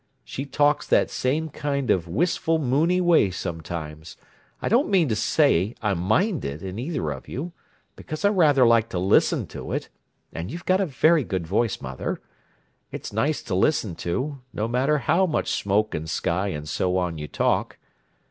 She talks that same kind of wistful, moony way sometimes—I don't mean to say I mind it in either of you, because I rather like to listen to it, and you've got a very good voice, mother. It's nice to listen to, no matter how much smoke and sky, and so on, you talk.